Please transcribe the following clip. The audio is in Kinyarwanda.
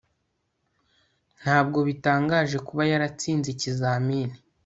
Ntabwo bitangaje kuba yaratsinze ikizamini